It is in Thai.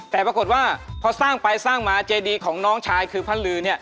แต่ปรากฏว่าพอสร้างไปสร้างมาเจดีของน้องชายคือพระลือ